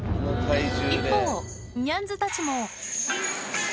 一方、ニャンズたちも。